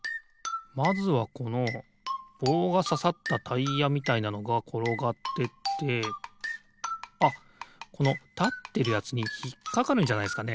まずはこのぼうがささったタイヤみたいなのがころがってってあっこのたってるやつにひっかかるんじゃないすかね？